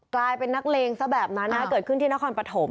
กลายเป็นนักเลงซะแบบนั้นเกิดขึ้นที่นครปฐม